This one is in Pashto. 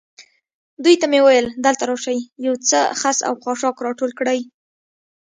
دوی ته مې وویل: دلته راشئ، یو څه خس او خاشاک را ټول کړئ.